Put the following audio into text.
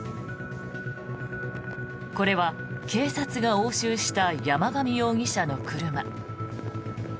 これは警察が押収した山上容疑者の車。